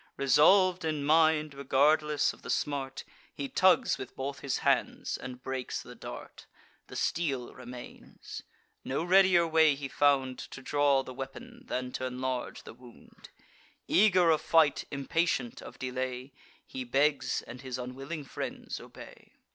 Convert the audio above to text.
Resolv'd in mind, regardless of the smart, He tugs with both his hands, and breaks the dart. The steel remains. No readier way he found To draw the weapon, than t' inlarge the wound. Eager of fight, impatient of delay, He begs; and his unwilling friends obey.